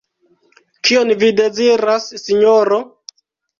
Kion vi deziras, Sinjoro?